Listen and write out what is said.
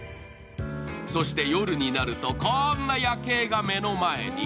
そして夜になるとこんな夜景が目の前に。